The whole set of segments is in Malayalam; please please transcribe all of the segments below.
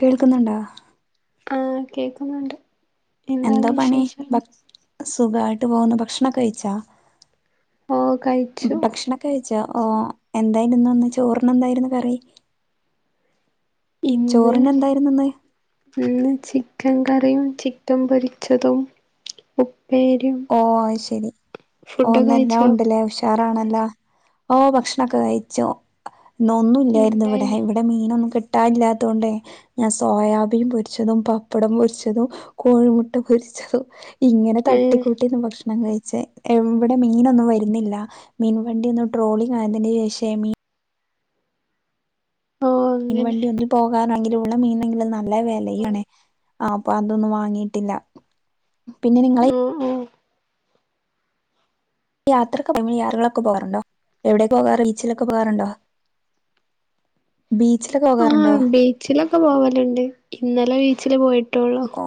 കേൾക്കുന്നുണ്ടോ? ആ, കേക്കുന്നുണ്ട്. എന്താണ് എന്താ പണി? വിശേഷം ഭ സുഖായിട്ട് പോകുന്നു. ഭക്ഷണം ഒക്കെ കഴിചോ? ഓ കഴിച്ചു ഭക്ഷണൊക്കെ കഴിച്ചോ? ഓ, എന്തായിരുന്ന് ഇന്ന് ചോറിന് എന്തായിരുന്നു കറി? ഇന്ന് ചോറിന് എന്തായിരുന്നു ഇന്ന് ഇന്ന് ചിക്കൻ കറിയും, ചിക്കൻ പൊരിച്ചതും. ഉപ്പേ ഉപ്പേരിം. ഓ, അത് ശരി. ഓ ഇന്ന് എല്ലാം കഴിച്ചോ ഉണ്ട്ലേ. റാണല്ലോ, ഓ, ഭക്ഷണൊക്കെ കഴിച്ചു. ഇന്ന് ഒന്നും ഇല്ലായിരുന്നു ഇവിടെ. ഇവി എന്തായിന് ഇവിടെ മീനൊന്നും കിട്ടാനില്ലാത്തോണ്ടേ ഞാൻ സോയാബീൻ പൊരിച്ചതും, പപ്പടം പൊരിച്ചതും, കോഴിമുട്ട പൊരിച്ചതും. ഇങ്ങനെ ഏഹ് തട്ടിക്കൂട്ടി ന്ന് ഭക്ഷണം കഴിച്ച്, ഇവിടെ മീനൊന്നും വരുന്നില്ല. മീൻ വണ്ടി ഇന്നു ട്രോളിംഗായതിന് ശേഷെ മീ ഓ മീൻ അങ്ങനെ വണ്ടി ഒന്നും പോകാനാണെങ്കില് ഉള്ള മീനെങ്കിലും നല്ല വിലയാണ്. ആ അപ്പൊ അതൊന്നും വാങ്ങിയിട്ടില്ല. പിന്നെ നിങ്ങളെ ഉം. ഉം. യാത്രക്കെ യാത്രകളൊക്കെ പോകറുണ്ടോ? എവിടേ പോവാറ്? ബീച്ചിലൊക്കെ പോകാറുണ്ടോ? ബീച്ചില് പോകാറുണ്ടോ? ആഹ് ബീച്ചിലൊക്കെ പോവലുണ്ട്, ഇന്നലെ ബീച്ചില് പോയിട്ടുള്ളു. ഓ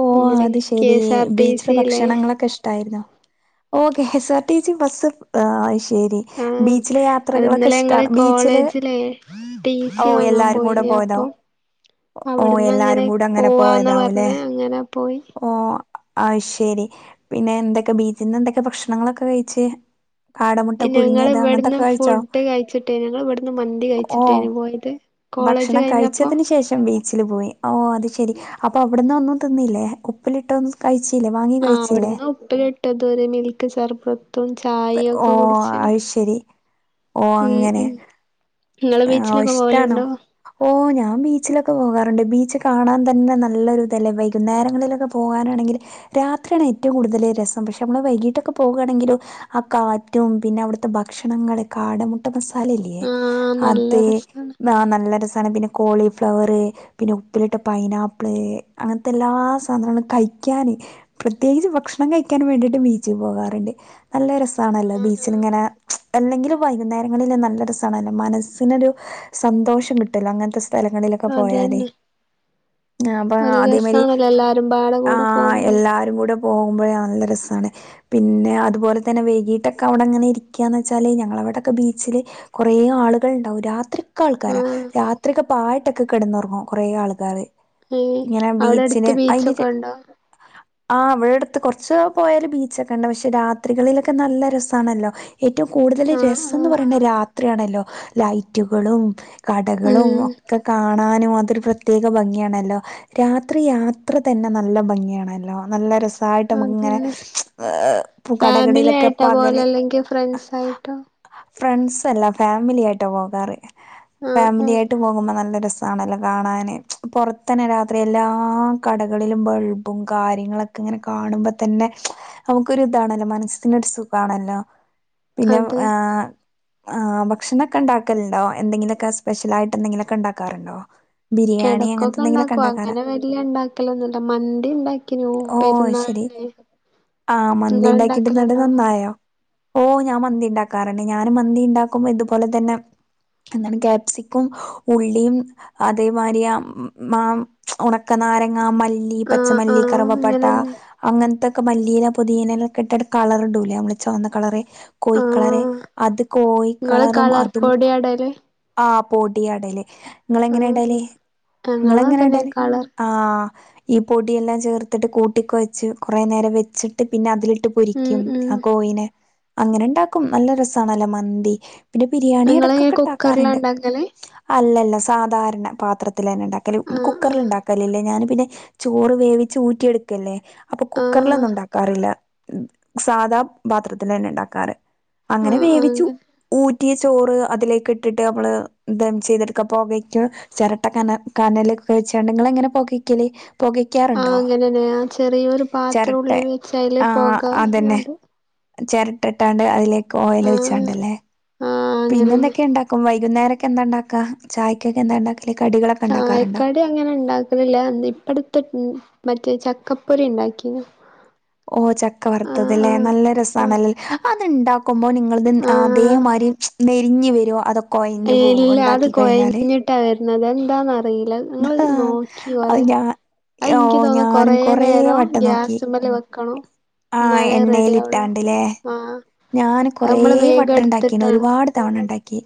ഓ, അത് കെ ശരി. എസ് ആർ ടി ബീച്ചിലെ സിയിലെ ഭക്ഷണങ്ങളൊക്കെ ഇഷ്ടായിരുന്നോ? ഓ, K S R C bus ആ, അത് ശരി. ആഹ് ബീച്ചിലെ അത് യാത്രകളൊക്കെ ഇന്നലെ ഞങ്ങള് ഇഷ്ടാണോ? ബീച്ചില്, കോളേജിലെ ടി ഓ എല്ലാരും കൂടെ പോയതാവും. [inaudible] അവിട്ന്ന് അങ്ങനെ പോവാന്ന പോയതാവുംല്ലേ പറഞ്ഞ്, അങ്ങനെ പോയി. ഓ, അത് ശരി. പിന്നെ എന്തൊക്കെ ബീച്ചിൽന്ന് എന്തൊക്കെ ഭക്ഷണങ്ങളൊക്കെ കഴിച്? ഞങ്ങള് ഇവട്ന്ന് കഴിച്ചോ ഫുഡ് കഴിച്ചിട്ടേ, ഞങ്ങള് ഇവട്ന്ന് മന്തി ഓ കഴിച്ചിട്ടേയിനി പോയത്. കോളേജ് ഭക്ഷണം കഴിഞ്ഞപ്പോ കഴിച്ചതിന് ശേഷം ബീച്ചില് പോയി, ഓ അത് ശരി. അപ്പൊ അവിടന്ന് ഒന്നും തിന്നില്ലേ? ഉപ്പിലിട്ടൊന്നും കഴിച്ചില്ലേ, വാങ്ങി ആ കഴിച്ചില്ലേ? അവിടുന്ന് ഉപ്പിലിട്ടത്, മിൽക്ക് സർബ സർബത്തും, ഓ ചായൊക്കെ കുടിച്ചി. അത് ശരി ഓ ഉം. അങ്ങനെ ഉം. നിങ്ങള് ഓ ബീച്ചിലൊക്കെ ഇഷ്ടാണോ പോവലുണ്ടോ? ഓ, ഞാൻ ബീച്ചിലൊക്കെ പോകാറുണ്ട്, ബീച്ച് കാണാൻ തന്നെ നല്ലൊരു തല്ലെ. വൈകും നേരങ്ങളിലൊക്കെ പോകാനാണെങ്കില്, രാത്രിയാണ് ഏറ്റവും കൂടുതൽ രസം. പക്ഷേ, നമ്മള് വൈകീട്ടൊക്കെ പോവുകയാണെങ്കിലും ആ, കാറ്റും, പിന്നെ അവിടുത്തെ ഭക്ഷണങ്ങള് കാടമുട്ട മസാല ഇല്ലെയെ? ആഹ് നല്ല അത്. രസാണ് ആ, നല്ല രസാണ്. പിന്നെ കോളിഫ്ലവറ്. പിന്നെ ഉപ്പിലിട്ട പൈനാപ്പിള്, അങ്ങനത്തെ എല്ലാ സാധനങ്ങളും കഴിക്കാന് പ്രത്യേകിച്ച് ഭക്ഷണം കഴിക്കാൻ വേണ്ടിയിട്ട് ബീച്ചിൽ പോകാറ്ണ്ട്. നല്ല രസാണല്ലേ ബീച്ചില്ങ്ങനെ... അല്ലെങ്കിലും വൈകുന്നേരങ്ങളില് നല്ല രസാണല്ലൊ. മനസ് മനസിനൊരു സന്തോഷം കിട്ടല്ലോ, അങ്ങനത്തെ സ്ഥലങ്ങളിലൊക്കെ പോയാല്? അതന്നെ ആഹ്, അപ്പൊ ഒരു അതേമാരി രസാണല്ലോ എല്ലാരും പാടെ കൂടെ ആഹ് പോകുമ്പേ എല്ലാരും കൂടെ... പോ പോവുമ്പഴാ നല്ല രസാണ്. പിന്നെ അതുപോലെ തന്നെ വൈകിട്ടൊക്കെ അവ്ടെങ്ങനെ ഇരിക്കാന്ന് വെച്ചാല്, ഞങ്ങളവിടൊക്കെ ബീച്ചില്... കൊറേ ആള്... ആള്കൾ ണ്ടാവും, രാത്രി ഒക്കെ ആൾക്കാരാ. ആഹ് രാത്രി ഒക്കെ പാഴ്ട്ടൊക്കെ കെട്ന്നൊറ്ങ്ങും കുറേ ആൾക്കാര്. ഏഹ് ഇങ്ങനെ അവിടെ അടുത്ത് ബീച്ചിന്, അയിന്റിറ്റ ബീച്ചൊക്കെ ഉണ്ടോ ആഹ്, ഇവടട്ത്ത് കൊറച്ച് പോയാല് ബീച്ചൊക്കെ ഉണ്ട്. പക്ഷെ, രാത്രികളിലൊക്കെ നല്ല രസാണല്ലോ! ഏറ്റവും കൂടുതൽ ആഹ് രസംന്ന് ആഹ് പറയ്ണ് രാത്രിയാണല്ലോ, ലൈറ്റുകളും... കടകളും ഉം ഒക്കെ കാണാനും, അതൊരു പ്രത്യേക ഭംഗിയാണല്ലോ. രാത്രി യാത്ര തന്നെ നല്ല ഭംഗിയണല്ലോ, നല്ല രസം പായട്ട് നമ്മ്ക്ക്ങ്ങനെ. അതന്നെ ഈഹ് ഫാമിലി കടകളിലൊക്കെ. ആയിട്ടാ പോവല് പകല്.. അല്ലെങ്കിൽ ഫ്രണ്ട്സ് ആയിട്ടോ ഫ്രണ്ട്സല്ല. ഫാമിലിആയിട്ടാ പോകാറ് ആഹ് ആഹ് ഫാമിലിയയ്ട്ട് ട്ട് പോകുമ്പോ നല്ല രസാണല്ലോ. കാണാൻ പൊറത്തന്നെ. രാത്രി എല്ലാ കടകളിലും ബൾബ്.. ബൾബും. കാര്യങ്ങളൊക്കെ ഇങ്ങനെ. കാണുമ്പ തന്നെ.. നമ്മകൊര്താണല്ലോ. മനസ്സിനൊരുസുഖാണല്ലോ.. പിന്നെ. അതെ ആഹ് ആഹ്. ഭക്ഷണൊക്കെ ഒക്കെണ്ടാക്കല്ണ്ടോ. എന്തെങ്കിലൊക്കെ സ്പെഷ്യലായിട്ടെന്തെങ്കിലൊക്കെ ഇണ്ടാക്കാറുണ്ടോ.. എടക്കൊക്കെണ്ടാക്കും. അങ്ങനെ വെല്ല്യണ്ടാക്കലൊന്നുല്ല. മന്തിണ്ടാക്കിനു ഓ പെരുന്നാൾ. ശരി ഉം ആഹ്. മന്തിണ്ടാക്കിട്ട്ന്നട്ട് നന്നായോ. ഓഹ് ഞാമന്തിണ്ടാക്കാറ്ണ്ട്. ഞാനു മന്തി ഇണ്ടാക്കുമ്പോ ഇതുപോലെ തന്നെ.. എന്താണ് ക്യാപ്സിക്കം. ഉള്ളിയും.. അതേമായിരി. യാം. മാം. ഒണക്ക നാരങ്ങ. മല്ലി.. ഈ. ആഹ് പച്ചമല്ലി ആഹ് കറുവപട്ട.. അങ്ങനെന്നെ അങ്ങൻത്തെക്കെ മല്ലീയില. പൊതീനെലൊക്കെ. ഇട്ടങ്ങ് കളർ ഇണ്ടൂലേ. നമ്മള് ച്ചോന്ന കളറ്. കോയിക്കളറേ. ആഹ് അത് കോഴി.. ഇങ്ങള് കളറും കളർ അതും. പൊടിയാ ഇടല് ആ പോടിയാടല്.. ആഹ് ഇങ്ങളെങ്ങനെടല്. ആഹ് ഞങ്ങളും അതന്നെ ങ്ങളെങ്ങനെടല്.. കളർ ആഹ് ഈ പൊടിയെല്ലാം ചേർത്തിട്ട്. കൂട്ടികൊയച്ച് കുറെനേരം വെച്ചിട്ട്. പിന്നെ അതില്. ഇട്ട് ഉം പൊരിക്യും. ഉം ആഹ് കോയിനെ. അങ്ങനെണ്ടാക്കും നല്ല രസാണല്ലോ മന്തി.. പിന്നെ ബിരിയാണി. ഇങ്ങളെങ്ങനെ എടക്കൊക്കെ കുക്കറിലാ ഇണ്ടാക്കാറ്ണ്ട്.. ഇണ്ടാക്കല് അല്ലല്ല. സാധാരണ പാത്രത്തിലെന്നെ ഇണ്ടാക്കല്. ആഹ് ആഹ് കുക്കർല്ണ്ടാക്കലില്ല. ഞാന് പിന്നെ.. ചോറ് വേവിച്ച് ഊറ്റിയെട്ക്കല്ലേ. അപ്പൊ ആഹ് കുക്കർലൊന്നു ഉണ്ടാക്കാറില്ല.. സാധാ പാത്രത്തിലെന്നെ ഇണ്ടാക്കാറ്. അങ്ങനെ ആഹ് ആഹ് വേവിച്ചു.. അങ്ങനെ ഊറ്റിയ ചോറ് അതിലേക്ക് ഇട്ടിട്ട്. നമ്മള് ദം ചെയ്ത്ട്ക്ക. അപ്പോ വെറ്റ് ചെരട്ട കന കാനലൊക്കെച്ചാണ്ട്. നിങ്ങളെങ്ങനെ. പോകിക്കല്. പൊകി ആഹ്. അങ്ങനെന്നെ. ആ ചെറിയൊരു പാത്രം ചെരട്ടെ ഉള്ളിൽ വെച്ച് അയില്. പൊകാ റ്ഞ്ക്കാണ്ട്.. ചെരട്ട്ട്ടാണ്ട് അയ്ലേക്ക്. ഓയല് ആഹ് ഒയിച്ചാണ്ടെല്ലേ.. ആഹ് അങ്ങനെന്നെ പിന്നെന്തെക്കെണ്ടാക്കും. വൈകുന്നേരെക്കെ എന്താണ്ടാക്കാ ചായക്കെക്കെ എന്താണ്ടാക്കല് കടികളൊക്കെ ചായക്കടി ഇണ്ടാക്കാറുണ്ടോ? കടി അങ്ങനെണ്ടാക്കലില്ല. ഇപ്പടത്. ഉം മറ്റേ ചക്കപ്പൊരിണ്ടാകീനു ഓഹ് ചക്ക വറുത്തത് ലേ. നല്ല ആഹ് രസാണല്. അത്ണ്ടാ ക്കുമ്പൊ നിങ്ങളിതിന് ആഹ് അതേമാരി നെരിഞ്ഞ് വെരോ അതൊ ഇല്ല അത് കൊഴഞ്ഞിട്ടാ വെരുന്നത് അതെന്താന്നറീല നിങ്ങള് നോ ക്കി കൊറേ ഏഹ് ഓഹ് ഞാനും കൊറേ നേരം വട്ടം നോക്കി. ഗ്യാസ്മ്മല് വെക്കണം ആഹ് എന്നാലേ റെഡി എണ്ണയില് ആവുള്ളൂ ഇട്ടാണ്ട്ല്ലെ ആഹ് ഞാൻ അത് കൊറേ നമ്മള് വേഗം വട്ടണ്ടാക്കിന്ന് എടുത്തിട്ടാണ് ഒരുപാട് തവണണ്ടാക്കി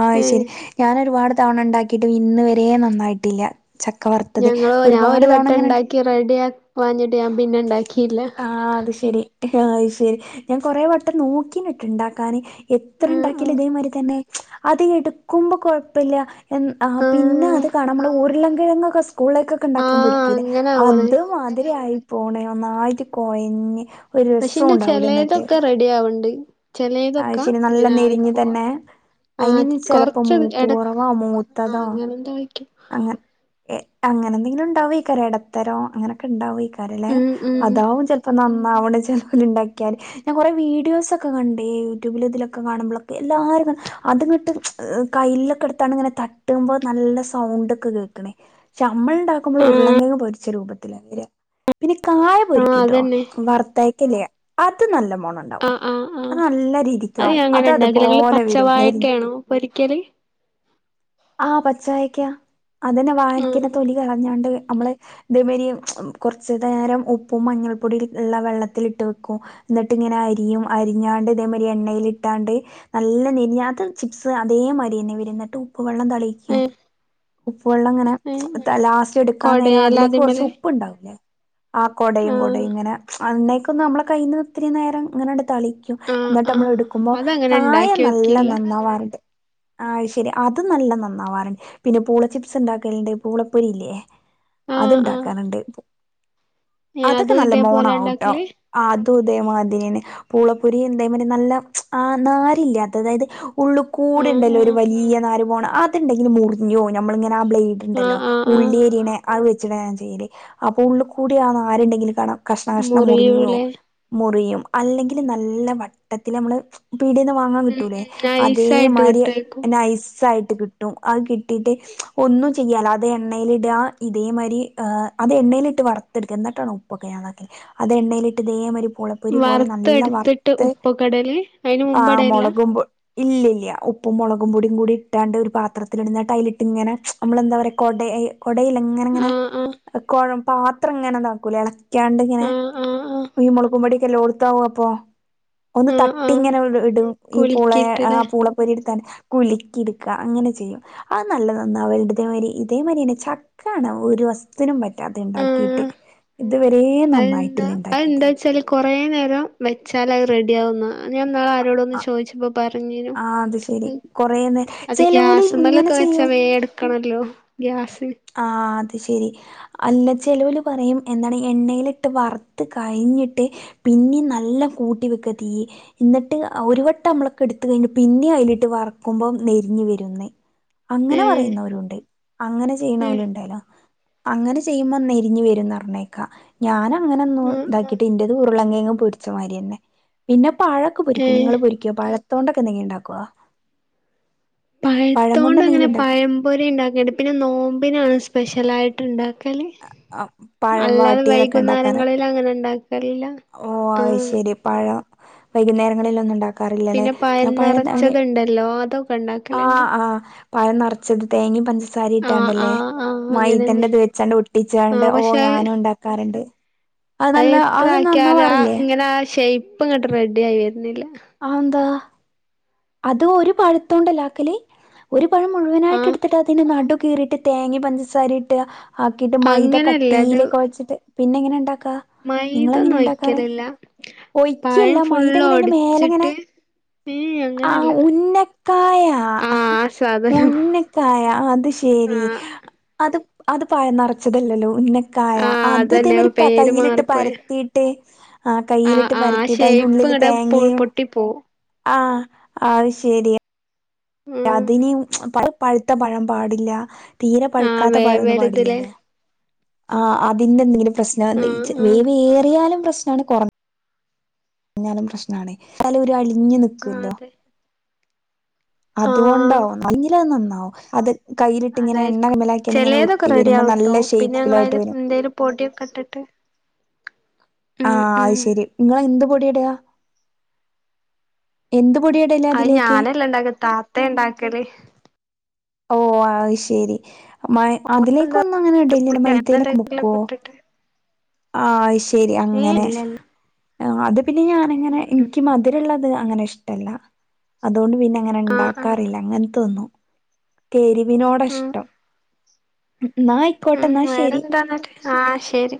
ആഹ് അത് ശെരി ഏഹ് ഞാനൊരുപാട്. തവണണ്ടാക്കിയിട്ടും. ഇന്ന് വരേം നന്നായിട്ടില്ല.. ചക്കവറ ഞങ്ങളോ ഞാൻ ഒരു വട്ടംണ്ടാക്കി റെഡിവാഞ്ഞിട്ട് ഞാൻ പിന്നെ ഇണ്ടാക്കിയില്ല. ആഹ് അത് ശെരി ആഹ് ശെരി ഞാൻ കൊറേ വട്ടം നോക്കീനിട്ടണ്ടാക്കാന് എത്ര ആഹ് ഇണ്ടാക്കിയിലും ആഹ് ഇതേമാരി തന്നെ അതെടുക്കുമ്പോ കൊഴപ്പില്ല ആഹ് പിന്നെ അത് കാരണം ഉരുളം കിഴങ്ങൊക്കെ സ്ലൈ സ്കൂള്ലേക്കൊക്കെണ്ടാക്കാൻ ആഹ് പോരിക്കേലേ അങ്ങനെ ആവണ് അത് മാതിരി ആയി പോണ് നന്നായിട്ട് കൊഴഞ്ഞ്. ഒര് രസോംണ്ടാവൂല എന്നിട്ട് റെഡിയാവണ്ട്. ആഹ് ശെരി നല്ല നെരിഞ്ഞ് തന്നെ ആഹ് അയിനി ചെലപ്പോ കൊറച്ച് മൂപ്പ് എടക്ക് കുറവാ ആഹ് മൂത്തതോ അങ്ങനെന്തോ ആയിക്കും അങ്ങ അങ്ങനെ എന്തെങ്കിലും ഉണ്ടാവേക്കാരം എടത്തരോ അങ്ങനൊക്കെ ഉണ്ടാവേ കാരലേ ഉം ഉം അതാവും ചെലപ്പോ നന്നാവണ് ചെലോല്ണ്ടാക്കിയാല് ഞാൻ കുറേ വീഡിയോസൊക്കെ കണ്ടേ യൂട്യൂബില് ഇതിലൊക്കെ കാണുമ്പളൊക്കെ എല്ലാരുങ്ങനെ അത്ങ്ങിട്ട് കയ്യിലൊക്കെ ഇട്ത്താണ്ട്ങ്ങനെ തട്ടുമ്പൊ നല്ല സൗണ്ടൊക്കെ കേക്കണ് പക്ഷെ നമ്മള് ഉണ്ടാക്കുമ്പള് ആഹ് ഉർങ്കേങ്ങ് പൊര്ച്ച രൂപത്തിലാ വരാ പിന്നെ കായ ആഹ് പൊരിക്കുട്ടോ അതന്നെ വറത്തായ്ക്കല്ലേ അത് നല്ല മൊണ ആഹ് ആഹ് ആഹ് അത് നല്ല ഞാൻ രീതിക്കാവും അത് അങ്ങനെ ഇണ്ടാക്കല് ഇങ്ങള് അതുപോലെ വരും നെരിഞ്ഞ് പച്ചവാഴക്കാണോ പൊരിക്കല് ആഹ് പച്ചായ്ക്കാ അതന്നെ വായിക്കന്റെ ആഹ് തൊലി കളഞ്ഞാണ്ട് അമ്മള് ഇതേ മായിരി കൊറച്ച് നേരം ഉപ്പും മഞ്ഞൾപ്പൊടിം ഉള്ള വെള്ളത്തിലിട്ട് വെക്കും എന്നട്ട് ഇങ്ങനെ അരിയും അരിഞ്ഞാണ്ട് ഇതേമാരി എണ്ണയിലിട്ടാണ്ട് നല്ല നെരിഞ്ഞാ അത് ചിപ്സ് അതേമായിരിയന്നെ വരുന്നട്ട് ഉ ഉപ്പ് വെള്ളം തെളിക്കും ഏഹ് ഉപ്പ് വെള്ളം ഇങ്ങനെ ഏഹ് ലാസ്റ്റ് എടുക്കാൻ നേരം കൊടയലാ അതിലേക്ക് കൊറച്ച് അതിമ്മല് ഉ ഉപ്പ് ഇണ്ടാവുല്ലേ ആഹ് കൊടയും ആഹ് കൊടയും ഇങ്ങനെ അന്നേക്കൊന്ന് നമ്മളെ കയ്യിന്ന് ഇത്തിരി നേരം ഇങ്ങനെ അങ്ങട് തളി ക്കും ആഹ് ഇന്നട്ട് നമ്മള് ആഹ് എടുക്കുമ്പൊ അതങ്ങനെ കായ നല്ല ഇണ്ടാക്ക്യോക്കില്ല നന്നാവാറുണ്ട് ആഹ് ശെരിയാ അത് നല്ലം നന്നാവാറുണ്ട് പിന്നെ പൂളചിപ്സ് ഇണ്ടാക്കല്ണ്ട് പൂളപ്പേരിയില്ലേ ആഹ് ആഹ് അത്ണ്ടാക്കാന്ണ്ട് ഏഹ് അത്ക്കെ അതും നല്ല ഇതേപോലെ മോണാവാട്ടോ ഇണ്ടാക്കല് അതും ഇതേമാതിരിന്നെ പൂളുപ്പേരി ഇതേമായിരി നല്ല ആഹ് നാരില്ല്യാത്തത് അതായത് ഉള്ളു ആഹ് കൂടിണ്ടല്ലോ ഒരു ആഹ് വല്ല്യ നാര് പോണ അതുണ്ടെങ്കില് മുറിഞ്ഞുപോവും ഞമ്മളിങ്ങനെ ആഹ് ബ്ലേഡ് ആഹ് ഉണ്ടല്ലോ ആഹ് ആഹ് ഉള്ളിയരിയണെ അത് വെച്ചിട്ടാ ഞാൻ ചെയ്യല് അപ്പൊ ഉള്ള്കൂടി ആഹ് നാരുണ്ടെങ്കില് കാണാം കഷ്ണം കഷ്ണം മുറിഞ്ഞോവും മുറിയൂലേ മുറിയും അല്ലെങ്കില് നല്ല വട്ടത്തില് നമ്മള് പീടിയേന്ന് വാങ്ങാൻ ഉം കിട്ടൂലേ ഉം നൈസായിട്ട് അതേമായിരി കിട്ടുവായിരിക്കും നൈസ് ആയിട്ട് കിട്ടും അത് കിട്ടീട്ട് ഒന്നും ചെയ്യാല്ല അത് എണ്ണയിലിടാ ഇതേമായിരി ആഹ് അതെണ്ണയിലയിട്ട് വറത്തെടുക്ക എന്നിട്ടാണ് ഉപ്പൊക്കെ ഞാൻ ഇതാക്കല് അത് എണ്ണയിലിട്ട് ഇതേമായിരി പൊള പൊരി പോലെ നല്ല വറുത്തെടുത്തിട്ട് വറത്ത് ഉപ്പുകടല് അയിന് ആഹ് മുമ്പിടലില്ല മുളകും പൊ ഇല്ല്യല്ല്യ ഉപ്പും മൊളകുംപൊടിംകൂടി രണ്ടൊരു പാത്രത്തില് ഇന്ന്ട്ടയ്ല്ട്ട്ങ്ങനെ നമ്മളെന്താ പറയാ കൊടേയ് കൊടയ്ലേ ഇങ്ങനെങ്ങനെ ആഹ് ആഹ് കൊഴം പാത്രങ്ങനെതാക്കൂലെ എളക്ക്യാണ്ട്ങ്ങനെ. ആഹ് ആഹ്. ഈ മൊളകുംപൊടി എല്ലോട്ത്താവുംഅപ്പൊ ഒന്ന് ആഹ് തട്ടി ആഹ് ഇങ്ങനെഇടും ഈ പൂളെ അ കുലുക്കിയിട്ട്ല്ലേ പൂള പൊരിട്ത്താണ്ട് കുലിക്കിട് ക്ക അങ്ങനെചെയ്യും അത് നല്ല നന്നാവല്ണ്ട് ഇതേമാരി ഇതേമാരിന്നെ ചക്കാണ് ഒരു വസ് ത്തിനും പറ്റാത്ത് ഇണ്ടാക്കീട്ട് ആഹ് ഇത് വരേ നന്നായിട്ടില്ല അതെന്താ ഇണ്ടാക്കീട്ട്. അതെന്താ വെച്ചാല് കൊറേ നേരം വെച്ചാലഹ് റെഡിആവും ന്നാ ഞാൻ ഇന്നാള് ആരോടോന്ന് ആ ചോയ്ച്ചപ്പോ പറ ഞ്ഞീനു ആ അത് ശരി കൊറേ നേ അത് ചെലോല് ഇങ്ങനെ ഗ്യാസ്മ്മലൊക്ക വെച്ചാ ചെയ്യും വേംഇട് ക്കണല്ലോ ഗ്യാസ് ആഹ് അത് ശെരി. അല്ല ചെലോല് പറയും എന്താണ് എണ്ണയില്ട്ട് വർത്ത് കഴിഞ്ഞിട്ട് പിന്നിം നല്ലംകൂട്ടി വെക്ക് തിയ്യ്. ഇന്ന്ട്ട് ഒരുവട്ടം അമ്മളൊക്കഇട്ത്ത് കഴിഞ്ഞ് പിന്നിം അയ്ലിട്ട് വർക്കുമ്പോം നെരിഞ്ഞ് വരുംന്ന്. അങ്ങനെ ഏഹ് പറയുന്നോരുണ്ട് അങ്ങനെ ഏഹ് ചെയ്യ്ണോല് അങ്ങനെ ചെയ്യുമ്പൊ നെരിഞ്ഞ് വരുംന്നർഞ്ഞേക്കാ ഞാനഅങ്ങനെന്നും ആഹ് ആഹ് ഇതാക്കീട്ട് ഇന്റെ ഉരുളങ്ങേങ്ങ് പൊരിച്ചമാരിയന്നെ പിന്നെ പഴൊക്ക പൊരിക്കും ഏഹ് നിങ്ങള് പൊരി ക്കിയോ പഴത്തോണ്ടൊക്ക എന്തെങ്കിണ്ടാക്കൊ? കൊണ്ട് പഴത്തോണ്ട്ങ്ങനെ എന്തെങ്കിലും ഉണ്ടാക്കാം പഴംപൊരി ഇണ്ടാക്കണ്ട് പിന്നെ നോമ്പിനാണ് സ്പെഷ്യലായിട്ട്ണ്ടാ ക്കല്, പഴം അല്ലാതെ വാട്ടിയതൊക്കെ വൈകുന്നേരങ്ങളിലങ്ങനെണ്ടാക്കലില്ല. ഓഹ് അത് ശെരി പഴം വൈകുന്നേരങ്ങളിലൊന്നും ണ്ടാക്കാറില്ലലേ ഞാം പഴംഞാന് ഇണ്ടല്ലോ അതൊക്കണ്ടാ ആഹ് ആഹ് പഴംനറ ച്ചത് തേങ്ങിം പഞ്ചസാരിം ആഹ് ഇട്ടാണ്ടല്ലേ ആഹ് ആഹ് മൈദൻന്റെ അങ്ങനെന്നെ ഇത് വെച്ചാണ്ട് ഒട്ടിച്ചാണ്ട് ആഹ് ഓ പക്ഷെ ഞാനുംണ്ടാ ക്കാറ്ണ്ട്. അത് എത്ര ആക്കിയാലും ആ ഇങ്ങനെ ആ ഷൈപ്പ്ങ്ങട്ട് റെഡി ആയി വര്നില്ല. അഹന്താ? അത് ഓര് പഴുത്തോണ്ടല്ലെ ആക്കല്? ഒരു പഴം മുഴുവനായിട്ട് ആഹ് എടുത്തിട്ട് അതിന് നടു കീറിയിട്ട് തേങ്ങിം പഞ്ചസാരിട്. ആക്കീട്ട് മൈദ അങ്ങനെയല്ല അത് കട്ടീല് കൊഴച്ചിട്ട് പിന്നെ എങ്ങനെണ്ടാക്കാ? നിങ്ങളങ്ങനെ മൈതൊന്നും ണ്ടാക്കാറ്? ഒഴിക്കലില്ല ഒയ്ക്കല്ല പഴം ഫുള്ള് മൈദങ്ങനെ അയ്ന്റെ മേലെങ്ങനെ ഒടിച്ചിട്ട് [unintelligible] ആഹ് ഉന്നക്കായാ. ആഹ് ആ സാധനം ഉന്നക്കായ അത് ശെരി. ആഹ് അത് അത് പയം നെറച്ചതല്ലല്ലോ ഉന്ന കായ ആഹ് അതന്നെ അത്‌തെമാരി പേര് കയ്യിലിട്ട് മാറിപ്പോയി പരത്തീട്ട് ആഹ് കയ്യില്ട്ട് ആഹ് ആ പരത്തീട്ട് അയ്ന്റെ ഷേപ്പ് ഉള്ളില് ഇങ്ങട് പൊ തേങ്ങിം പൊട്ടിപ്പോവും ആഹ് അഹ് അയ് ശെരി. ഉം അതിന് പ പഴുത്തപഴം പാടില്ല തീരെ ആഹ് പഴുക്കാത്തപഴന്നും വേവരുതിലെ പാടില്ല്യല്ലോ. ആഹ് അതിന്റെ എന്തെങ്കിലും പ്രശ്നം ആഹ് ആഹ് വേവ്ഏറിയാലും പ്രശ്നാണ് കൊറ ഞ്ഞാലും പ്രശ്നാണേയ് ന്നാലും ഒര്അലിഞ് ന്ന് ആഹ് അതെ. ആഹ് അത്കൊണ്ടാവും അല്ലങ്കില് അത് നന്നാവും അത് കയ്യിലിട്ട് ഇങ്ങനെ എണ്ണ അതായിരിക്കും അയ്മലാക്ക്യാണ്ട് ഇങ്ങനെ ചെലേതൊക്കെ ഉരുട്ടി വരുമ്പം നല്ല ഷൈപ്പിലായിട്ട് വെരും. പൊട്യക്കെ ഇട്ടിട്ട്. ഉം ആഹ്. അഹ് ഉം ശെരി. ഇങ്ങള് എന്ത് പൊട്യ ഇട. എന്ത് പൊട്യ ഇടെൽ അഹ് ഞാനല്ല ഇണ്ടാക്കൽ. താത്തെ ഇണ്ടാക്കല്. ഓ അഹ് ശെരി. അതിലേക്ക് എന്താ ഒന്ന് അങ്ങനെ ഇടലില്ല. പൊടിയോ അങ്ങനെ മൈദേലൊക്കെ മുക്കൊ. എന്തെങ്കിലൊക്കെ ഇട്ടിട്ട് ആ അഹ് ശെരി. ഏഹ് അങ്ങനെ. ഇല്ലല്ല അത് പിന്നെ ഞാനങ്ങനെ ഉം ഉം ഇൻക്ക് മ ധുരള്ളത് അങ്ങനെ ഇഷ്ടല്ല. അതോണ്ട് പിന്നെ അങ്ങനെ ആഹ് ആഹ് ഇണ്ടാക്കാറില്ല അങ്ങൻതൊന്നും. കെരുവിനോട ഉം ഇഷ്ടം. ഇന്നാ ആയിക്കോട്ടെ ഉം ഇന്നാ ശെരി. വേറെന്താന്നട്ട് ആഹ് ശെരി.